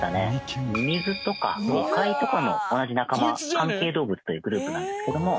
ミミズとかゴカイとかの同じ仲間環形動物というグループなんですけども。